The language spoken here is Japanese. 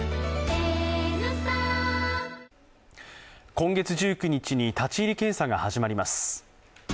今月１９日に立入検査が始まります。